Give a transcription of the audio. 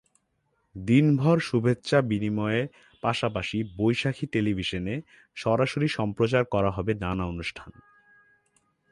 দিনভর শুভেচ্ছা বিনিময়ের পাশাপাশি বৈশাখী টেলিভিশনে সরাসরি সম্প্রচার করা হবে নানা অনুষ্ঠান।